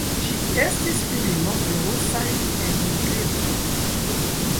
Ŝi estis filino de rusaj enmigrintoj.